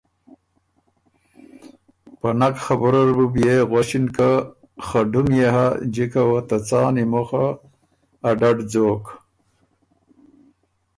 په نک خبُره ر بُو بيې غؤݭِن که ”خه ډُم يې هۀ جکه وه ته څان ای مُخه ا ډډ ځوک“